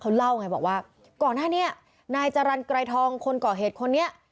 เขาเล่าไงบอกว่าก่อนหน้านี้นายจรรย์ไกรทองคนก่อเหตุคนนี้